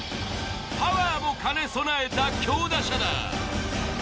パワーも兼ね備えた強打者だ。